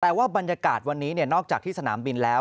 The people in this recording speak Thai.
แต่ว่าบรรยากาศวันนี้นอกจากที่สนามบินแล้ว